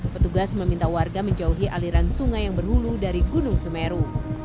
petugas meminta warga menjauhi aliran sungai yang berhulu dari gunung semeru